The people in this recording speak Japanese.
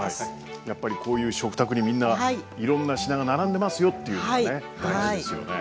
やっぱりこういう食卓にみんないろんな品が並んでますよっていうことがね